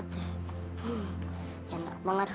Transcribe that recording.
bau nya enak banget